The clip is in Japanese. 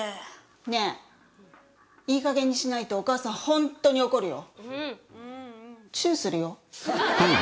ねぇいいかげんにしないとお母さんホントに怒るよ。